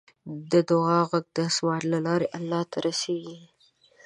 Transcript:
د دعا غږ د اسمان له لارې الله ته رسیږي.